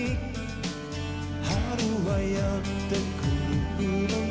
「春はやってくるのに」